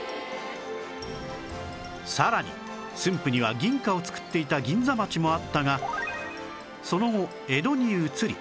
さらに駿府には銀貨を作っていた銀座町もあったがその後江戸に移り